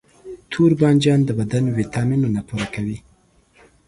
توربانجان د بدن ویټامینونه پوره کوي.